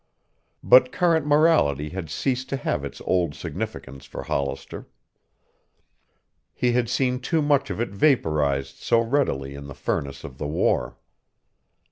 But current morality had ceased to have its old significance for Hollister. He had seen too much of it vaporized so readily in the furnace of the war.